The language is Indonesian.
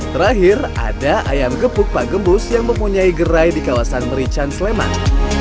terakhir ada ayam gepuk pak gembus yang mempunyai gerai di kawasan merican sleman